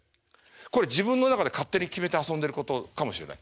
これ自分の中で勝手に決めて遊んでることかもしれない。